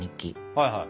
はいはい。